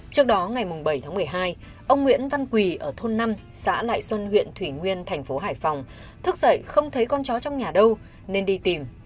trước đó ngày bảy tháng một mươi hai ông nguyễn văn quỳ ở thôn năm xã lại xuân huyện thủy nguyên thành phố hải phòng thức dậy không thấy con chó trong nhà đâu nên đi tìm